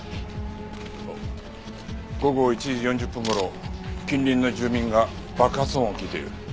午後１時４０分頃近隣の住民が爆発音を聞いている。